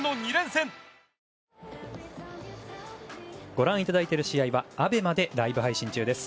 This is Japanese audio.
ご覧いただいている試合はＡＢＥＭＡでライブ配信中です。